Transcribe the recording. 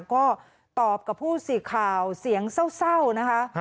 ก็ตอบกับผู้สื่อข่าวเสียงเศร้านะคะ